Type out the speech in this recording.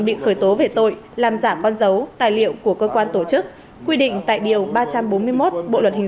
bị khởi tố về tội làm giả con dấu tài liệu của cơ quan tổ chức quy định tại điều ba trăm bốn mươi một bộ luật hình